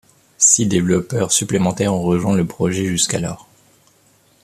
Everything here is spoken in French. Six développeurs supplémentaires ont rejoint le projet jusqu'alors.